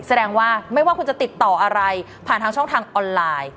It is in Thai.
แสดงว่าไม่ว่าคุณจะติดต่ออะไรผ่านทางช่องทางออนไลน์